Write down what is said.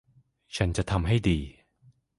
ฉันจะทำให้ดี